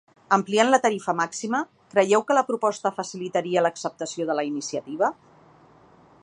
Ampliant la tarifa màxima, creieu que la proposta facilitaria l’acceptació de la iniciativa?